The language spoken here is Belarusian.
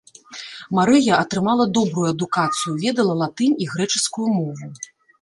Марыя атрымала добрую адукацыю, ведала латынь і грэчаскую мову.